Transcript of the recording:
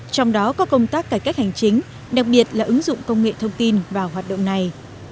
trong đó có công tác cải cách hành chính đặc biệt là ứng dụng công nghệ thông tin vào hoạt động này